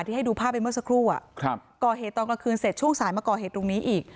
ให้ดูภาพไปเมื่อสักครู่ก่อเหตุตอนกลางคืนเสร็จช่วงสายมาก่อเหตุตรงนี้อีก